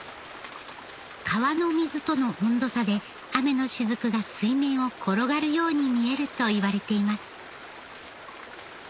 川の水との温度差で雨の滴が水面を転がるように見えるといわれています